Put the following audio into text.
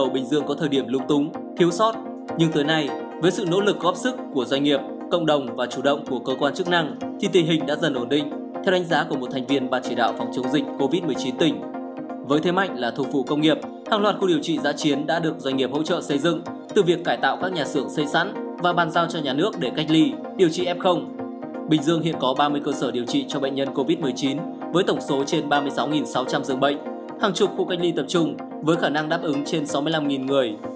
bình dương hiện có ba mươi cơ sở điều trị cho bệnh nhân covid một mươi chín với tổng số trên ba mươi sáu sáu trăm linh dương bệnh hàng chục khu cách ly tập trung với khả năng đáp ứng trên sáu mươi năm người